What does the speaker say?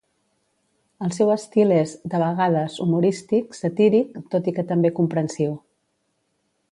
El seu estil és, de vegades, humorístic, satíric, tot i que també comprensiu.